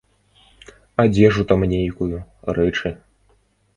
Адзежу там нейкую, рэчы.